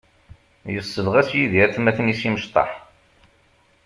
Yessebɣas Yidir atmaten-is imecṭaḥ.